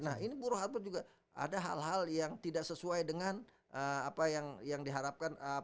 nah ini buruh hatur juga ada hal hal yang tidak sesuai dengan apa yang diharapkan